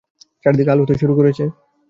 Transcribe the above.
চারদিকে আলো হতে শুরু করেছে।